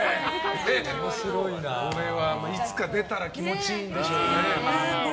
いつか出たら気持ちいいんでしょうね。